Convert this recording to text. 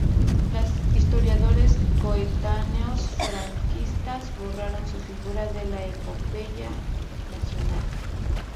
Los historiadores coetáneos franquistas borraron su figura de la Epopeya Nacional.